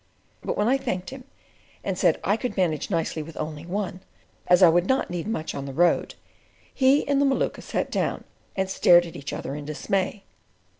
But when I thanked him, and said I could manage nicely with only one, as I would not need much on the road, he and the Maluka sat down and stared at each other in dismay.